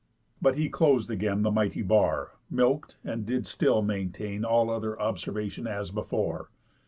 But he clos'd again The mighty bar, milk'd, and did still maintain All other observation as before.